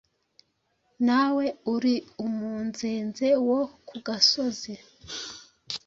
nawe uri umunzenze wo ku gasozi